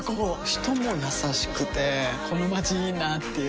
人も優しくてこのまちいいなぁっていう